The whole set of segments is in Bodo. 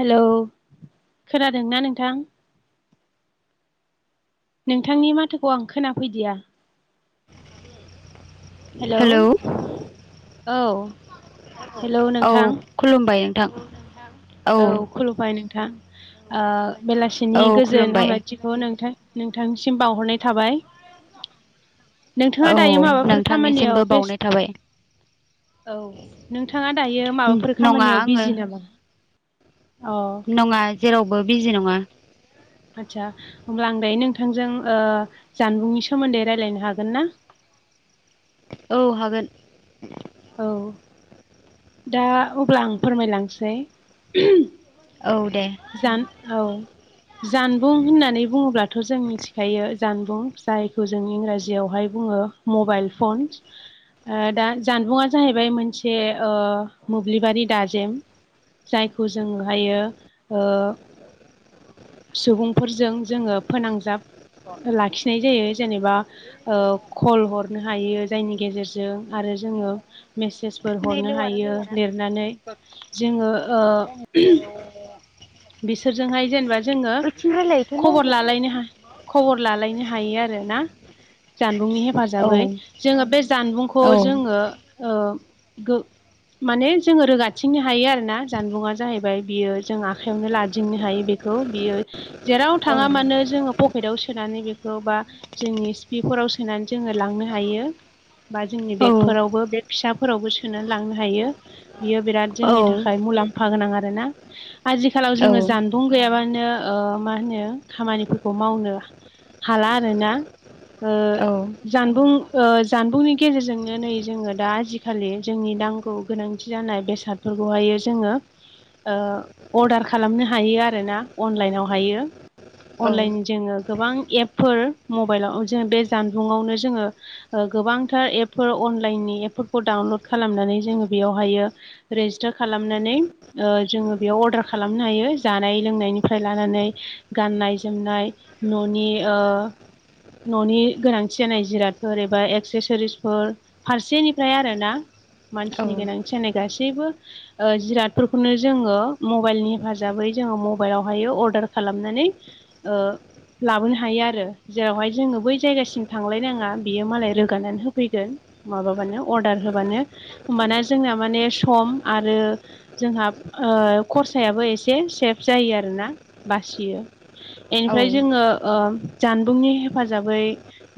हेलौ खोनादोंना नोंथां नोंथांनि माथोखौ आं खोनाफैदिया हेलौ औ हेलौ औ नोंथां खुलुमबाय नोंथां औ खुलुमबाय नोंथां ओ औ बेलासिनि गोजोन खुलुमबाय हामलायथि। नोंथां नोंथांसिम बावहरनाय थाबाय नोंथांङा औ दायो माबाफोर खामानियाव नोंथांनिसिमबो बेस्ट बावनाय थाबाय औ नोंथाङा दायो माबाफोर नङा खामानियाव आङो बिजि नामा अ नङा जेरावबो बिजि नङा आदसा होमब्ला आं दायो नोंथांजों जानबुंनि सोमोन्दै रायज्लायनो हागोन ना औ हागोन औ दा अब्ला आं फोरमायलांसै औ दे जान औ जानबुं होननानै बुङोब्लाथ' जों मिथिखायो जानबुं जायखौ जों इंराजियावहाय बुङो मबाइल फन ओ दा जानबुं जाहैबाय मोनसे मोब्लिबारि दाजेम जायखौ जोङोहायो ओ सुबुंफोरजों जोंङो फोनांजाब लाखिनाय जायो जेनेबा ओ खल हरनो हायो जायनि गेजेरजों आरो जोङो मेसेजफोर हरनो हायो लिरनानै जोङो ओ [inaudible] बिसोरजोंहाय जेनेबा जोङो खबर लालायनो हा खबर लालायनो हायो आरोना जानबुंनि औ हेफाजाबै जोंङो बे जानबुंखौ औ खौ जोंङो ओ गो माने जोंङो रोगाथिंनो हायो आरो ना जानबुं जाहैबाय बियो जोंहा आखायावनो लादिंनो हायो बेखौ बियो जेराव थाङा मानो जोङो पकेटाव सोनानै बेखौ बा जोंनि सिपिफोराव सोनानै जोङो लांनो हायो। बा जोंनि औ बेगफोरावबो बेग फिसाफोरावबो सोनानै लांनो हायो बियो बिराद औ जोंनि थाखाय मुलाम्फा गोनां आरोना आजिखालाव औ जोंङो दं गैयाबानो ओ मा होनो खामानिफोरखौ मावनो हाला आरोना ओ औ जानबुं ओ जानबुंनि गेजेरजोंनो नै जोंङो दा आजिखालि जोंनि नांगौ गोनांथि जानाय बेसाद फोरफोरखौहायो जोंङो ओ अर्डार खालामनो हायो आरोना अनलाइनाव हायो। अनलाइन जोङो गोबां एप फोर मबाइलाव जों बे जानबुंआवनो जोङो गोबांथार एपफोर अनलाइननि एपफोरखौ डाउनलड खालामनानै जोंङो बेयावहायो रेजिस्टार खालामनानै ओ जोङो बेयाव अर्डार खालामनो हायो जानाय लोंनायनिफ्राय लानानै गाननाय जोमनाय न'नि ओ न'नि गोनांथि जानाय जिरादफोर एबा एक्सेसरिसफोर फारसेनिफ्राय आरो ना। मानसिनि गोनांथि जानाय गासैबो ओ जिरादफोरखौनो जोंङो मबाइलनि हेफाजाबै जोंङो मबाइलावहायो अर्डार खालामनानै लाबोनो हायो आरो। जेरावहाय जोंङो बै जायगासिम थांलायनाङा बियो मालाय रोगानानै होफैगोन। माबाबानो अर्डार होबानो होमबाना जोंना माने सम आरो जोंहा खरसायाबो एसे सेफ जायो आरोना बासियो। बेनिफ्राय जोङो ओ जानबुंनि हेफाजाबै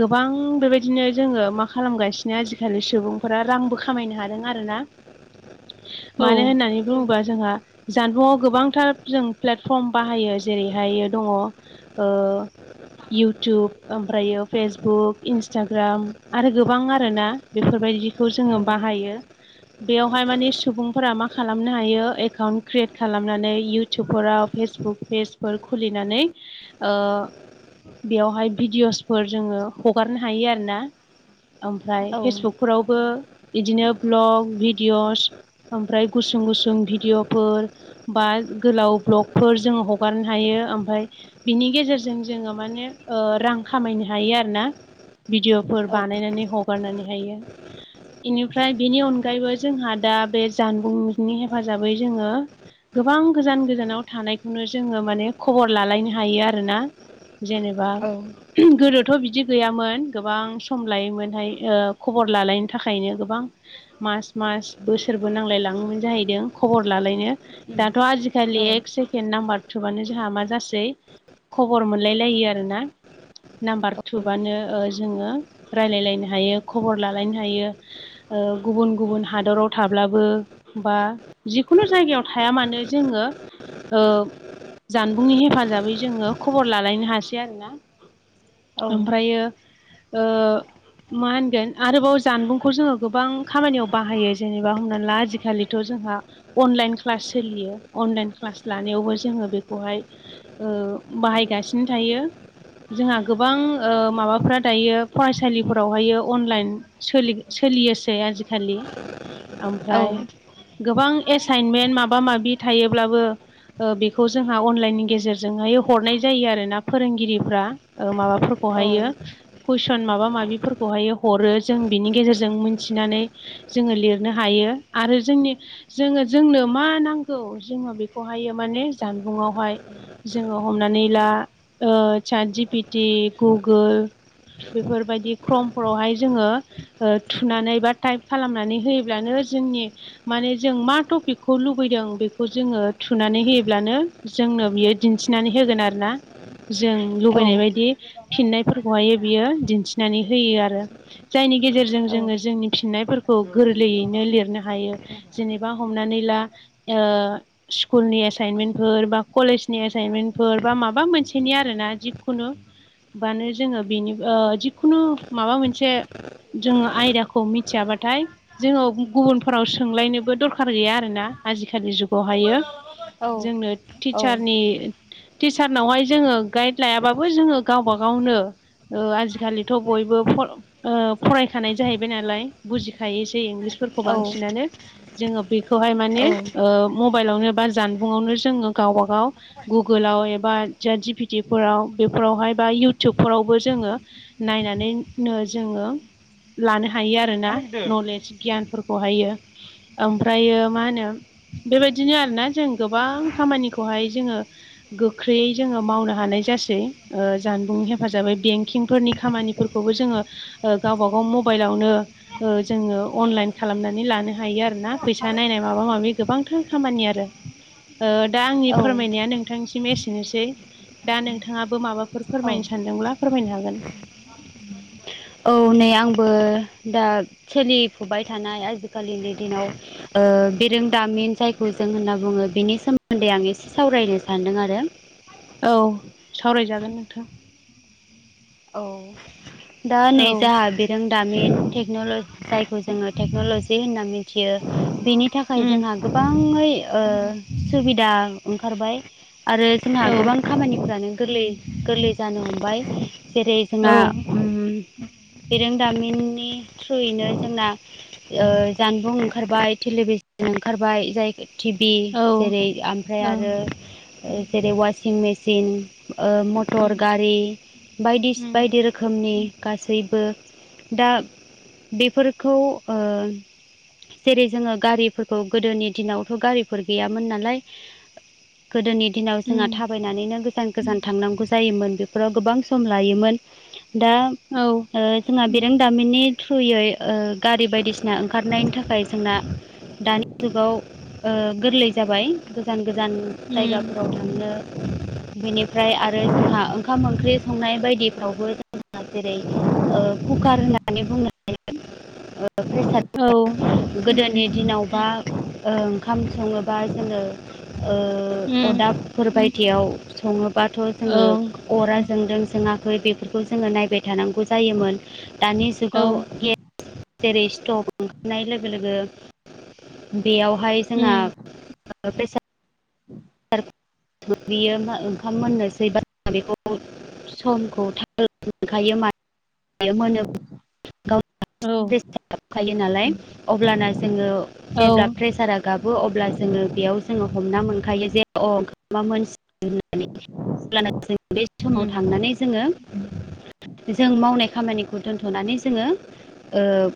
गोबां बेबायदिनो जोंङो मा खालामगासिनो आजिखालि सुबुंफोरा रांबो खामायनो हादों आरोना। मानो होननानै बुंबा जोंहा जानबुंआव गोबांथार जों प्लेटफर्म बाहायो। जेरैहायो दङ ओ इउटुब ओमफ्रायो फेसबुक इन्सटाग्राम आरो गोबां आरोना। बेफोरबायदिखौ जोङो बाहायो। बेवहाय मानि सुबुंफोरा मा खालामनो हायो एकाउन्ट क्रियेट खालामनानै इउटुबफोराव फेसबुक पेजफोर खुलिनानै बेवहाय भिडिअ'सफोर जोङो हगारनो हायो आरोना। ओमफ्राय फेसबुकफोरावबो बिदिनो भ्लग भिडिय'स ओमफ्राय गुसुं गुसुं भिडिय' फोर बा गोलाव ब्लगफोर जोंङ हगारनो हायो। ओमफ्राय बिनि गेजेरजों जोङो माने ओ रां खामायनो हायो आरोना। भिडिअफोर बानायनानै हगारनानै हायो। एनिफ्राय बेनि अनगायैबो जोंहा दा बे जानबुंनि हेफाजाबै जोङो। गोबां गोजान गोजानाव थानायखौनो जोङो माने खबर लालायनो हायो आरोना। जेनेबा गोदोथ' बिदि गैयामोन गोबां सम लायोमोनहाय ओ खबर लालायनो थाखायनो गोबां मास मास बोसोरबो नांलायलाङोमोन जाहैदों। खबर लालायनो। दाथ' आजिखालि एक से सेकड नाम्बार थुबानो जोंहा मा जासै खबर मोनलायलायो आरोना। नाम्बार थुबानो जोङो रायलाय लायनो हायो खबर लालायनो हायो। ओ गुबुन गुबुन हादराव थाब्लाबो बा जिखुनु जायगायाव थाया मानो जोङो ओ जानबुंनि हेफाजाबै जोङो खबर लालायनो हासै आरोना। ओमफ्रायो ओ मा होनगोन आरोबाव जानबुंखौ जोङो गोबां खामानियाव बाहायो जेनेबा हमना ला आजिखालिथ' जोंहा। अनलाइन क्लास सोलियो अनलाइन क्लास लानायावबो जोङो बेखौहाय ओ बाहायगासिनो थायो जोंहा गोबां माबाफ्रा दायो फरायसालिफोरावहायो अनलाइन सोलि-सोलियोसै आजिखालि [inaudible] ओमफ्राय गोबां एसाइनमेन्ट माबा माबि थायोब्लाबो ओ बेखौ जोंहा अनलाइननि गेजेरजोंहाय हरनाय जायो आरोना फोरोंगिरिफ्रा ओ माबाफोरखौहायो कुइसन माबा माबिफोरखौहाय हरो जों बिनि गेजेरजों मिथिनानै जोङो लिरनो हायो आरो जोंनि जोङो जोंनो मा नांगौ जोङो बेखौहायो माने जानबुंआवहाय। जोङो हमनानै ला ओ साट जिपिटि गुगोल बेफोर बायदि ख्रमफोरावहाय जोङो ओ थुनानै बा टाइप खालामनानै होयोब्लानो जोंनि माने जों मा टपिकखौ लुबैदों बेखौ जोङो थुनानै होयोब्लानो जोंनो बियो दिन्थिनानै होगोन आरो ना जों लुबैनाय बायदि फिननायफोरखौहायो बियो दिन्थिनानै होयो आरो। जायनि गेजेरजों जोङो जोंनि फिननायफोरखौ गोरलैयैनो लिरनो हायो। जेनेबा हमनानै ला ओ स्कुलनि एसाइनमेन्टफोर बा कलेजनि एसाइनमेन्टफोर बा माबा मोनसेनि आरोना जिखुनु बानो जोङो बेनि ओ जिखुनु माबा मोनसे जोङो आयदाखौ मिथियाबाथाय जोङो गुबुनफोराव सोंलायनो दरखार गैया आरोना आजि खालि जुगावहायो जोंनो टिचारनि टिचारनावहाय जोङो गाइड लायाबाबो जोङो गावबा गावनो ओ आजिखालिथ' बयबो फ ओ फरायखानाय जाहैबाय नालाय बुजिखायोसै इंलिसफोरखौ औ बांसिनानो जोङो बेखौहाय माने औ ओ मबाइलावनो बा जानबुंआवनो जोङो गावबा गाव गुगोलाव एबा साद जिपिटिफोराव बेफोरावहाय बा इउटुबफोरावबो जोङो नायनानैनो जोङो लानो हायो आ मा रोना नागिरदों? नलेज गियानफोरखौहायो। ओमफ्रायो मा होनो बेबायदिनो आरोना जों गोबां खामानिखौहाय जोङो। गोख्रैयै जोङो मावनो हानाय जासै जानबुं हेफाजाबै बेंकिंफोरनि खामानिफोर खौबो जोङो गावबा गाव मबाइलावनो जोङो अनलाइन खालामनानै लानो हायो आरो ना फैसा नायनाय माबा माबि गोबांथां खामानि आरो दा आंनि औ फोरमायनाया नों नोंथांसिम एसेनोसै दा नोंथाङाबो माबाफोर औ फोरमायनो सानदोंब्ला फोरमायनो हागोन। औ नै आंबो दा सोलिफुबाय थानाय आजि खालिनि दिनाव ओ बिरोंदामिन जायखौ जों होनना बुङो बिनि सोमोन्दै आं एसे सावरायनो सान्दों आरो‌। औ सावराय जागोन नोंथां। औ। दा नै औ जाहा बिरोंदामिन टेक्नलजि जायखौ जोङो टेक्न'लजि होननानै मि बियो बेनि थाखाय उम जोंहा गोबाङै ओ सुबिदा ओंखारबाय आरो जोंहा औ गोबां खामानिफ्रानो गोरलै गोरलै जानो हमबाय जेरै औ जोंहा उम बिरोंदामिननि थ्रुयैनो जोंना ओ जानबुं ओंखारबाय टेलिभिसन ओंखारबाय जाय टि भि औ जेरै ओमफ्राय ओं आरो जेरै वासिं मेसिन ओ मटर उम गारि बायदि उम बायदि रो खोमनि गासैबो दा बेफोरखौ ओ जेरै जोङो गारिफोरखौ गोदोनि दिनावथ' गारिफोर गैयामोन नालाय गोदोनि दिनाव जोंहा उम थाबायनानैनो गोजान गोजान थांनागौ जायोमोन बेफोराव गोबां सम लायोमोन दा औ जोंना बिरोंदामिननि थ्रुयै गारि बायदिसिना ओंखारनायनि थाखाय जोंना दानि जुगाव गोरलै जाबाय गोजान गोजान जायगाफोराव उम थांनो बेनिफ्राय आरो जोंहा ओंखाम ओंख्रि संनाय बायदिफ्रावबो जोंना जेरै कुकार होननानै बुंनो हायो प्रेसार औ कुकार गोदोनि उम दिनावबा ओंखाम सङोबा जोङो ओं उम अदाब फोर बायदियाव सङोबाथ' औ जोङो अरा जोंदों जोङाखै बेफोर खौ जोङो नायबाय थानांगौ जायोमोन दानि औ जुगाव गे जेरै स्टक ओंखारनाय लोगो लोगो बेयावहाय जोंहा औ बियो ओंखाम मोननोसै बा बेखौ समखौ थाल मोनखायो औ अब्लाना जोङो औ जेब्ला प्रेसारा गाबो अब्ला जोङो बेयाव जोङो हमना मोनखायो जे अ मा मोनसि होननानै अब्लाना जों बे समाव उम थांनानै जोङो जों मावनाय खामानिखौ दोनथ'नानै जोङो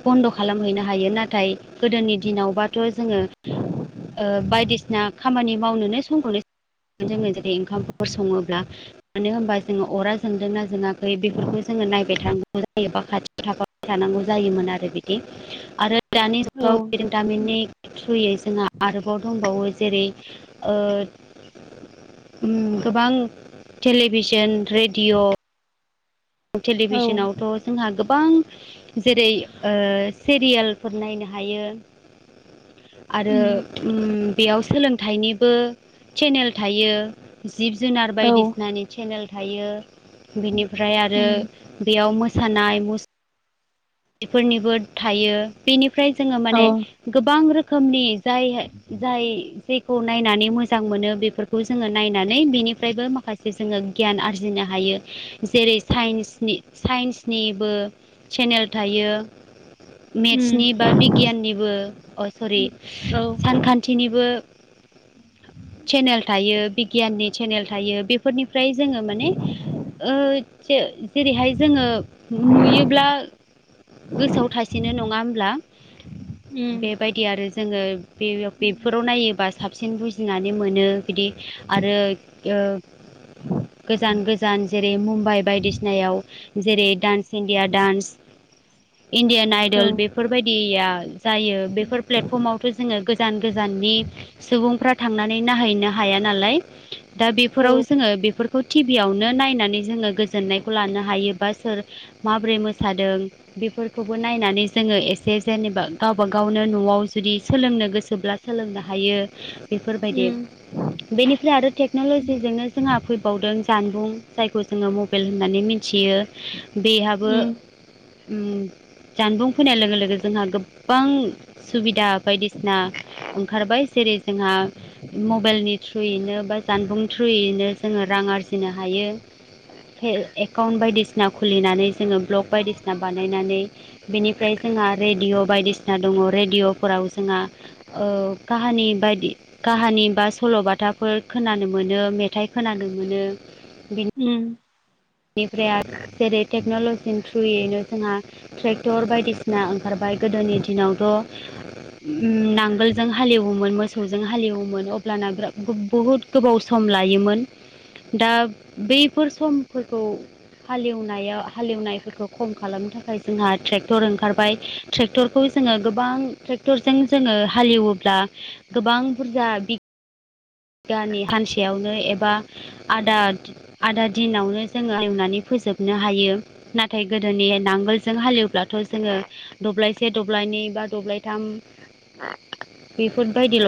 बन्द' खालामहैनो हायो नाथाय गोदोनि दिनावबाथ' जोङो ओ बायदिसिना खामानि मावनोनो खौनि जोङो जुदि ओंखामफोर सङोब्ला मानो होनबा जोङो अरा जोंदोंना जोङा खै बेफोरखौ जोङो नायबाय थानांगौ जायोबा खाथि थाख थानांगौ जायोमोन आरो बिदि आरो दानि औ जुगाव बिरोंदामिननि थ्रुयै जोंहा आरोबाव दंबावो जेरै ओ ओम गोबां टेलिभिसन रेडिअ औ टेलिभिसनावथ' जोंहा गोबां जेरै सिरियालफोर नायनो हायो आरो उम बेयाव सोलोंथाइनिबो चेनेल थायो जिब जुनार औ बायदिसिनानि चेनेल थायो बिनिफ्राय आरो उम बेयाव मोसानाय मुसु बेफोरनिबो थायो बेनिफ्राय जोङो औ उम माने औ गोबां रोखोमनि जाय जाय जेखौ नायनानै मोजां मोनो बेफोरखौ जोङो नायनानै बेनिफ्रायबो माखासे जोङो गियान आरजिनो हायो जेरै साइन्सनि साइन्सनिबो चेनेल थायो उम मेट्सनि बा बिगियाननिबो अ' सरि औ सानखान्थिनिबो सेनेल थायो बिगियाननि सेनेल थायो बे फोरनिफ्राय जोङो माने ओ जेरैहाय जोङो नुयोब्ला गोसोआव थासेनो नङा होमब्ला बे बेबायदि आरो जोङो बे बेफोराव नायोबा साबसिन बुजिनानै मोनो बिदि आरो ओ गोजान गोजान जेरै मुम्बाइ बायदिसिनायाव जेरै dance India dance Indian idol बेफोर बायदिया जायो बेफोर प्लेटफर्मावथ' जोङो गो गोजान-गोजाननि सुबुंफ्रा थांनानै नायहैनो हाया नालाय दा औ बेफोराव जोङो बेफोर खौ टिभियावनो नायनानै जोङो गोजोननायखौ लानो हायोबा सोर माबोरै मोसादों बेफोरखौबो नायनानै जोङो एसे जेनेबा गावबा गावनो न'आव जुदि सोलोंनो गोसोब्ला सोलोंनो हायो बेफोरबायदि उम बेनिफ्राय आरो टेक्न'ल'जिजोंनो जोंहा फैबावदों जानबुं जायखौ जोङो मबाइल होननानै मिथियो बेहाबो उम ओम जानबुं फैनाय लोगो-लोगो जोंहा गोबां सुबिदा बायदिसिना ओंखारबाय जेरै जोंहा मबाइलनि थ्रुयैनो बा जानबुं थ्रुयैनो जोङो रां आरजिनो हायो एकाउन्ट बायदिसिना खुलिनानै जोङो ब्लग बायदिसिना बानायनानै बेनिफ्राय जोंहा रेडिअ' बायदिसिना दङ रेडिअ'फोराव जोंहा ओ काहानि बायदि काहानि बा सल' बाथाफोर खोनानो मोनो मेथाइ खोनानो मोनो। ओम। बेनिफ्राय जेरै टेक्न'लजिनि थ्रुयैनो जोंहा ट्रेक्टर बायदिसिना ओंखारबाय गोदोनि दिनावथ' ओ नांगोलजों हालेवोमोन मोसौजों हालेवोमोन अब्लाना बिरा बुहुद गोबाव सम लायोमोन दा बैफोर समफोरखौ हालेवनायाव हालेवनायफोरखौ खम खालामनो थाखाय जोंहा ट्रेक्टर ओंखारबाय ट्रेक्टरखौ जोङो गोबां ट्रेक्टरजों जोङो हालेवोब्ला गोबां बुरजा बि बिगानि हानसेयावनो एबा आदा आदा दिनावनो जोङो एवनानै फोजोबनो हायो। नाथाय गोदोनि नांगोलजों हालेवब्लाथ' जोङो दब्लायसे दब्लायनै बा दब्लायथाम बेफोरबायदिल'